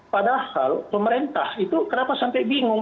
padahal pemerintah itu kenapa sampai bingung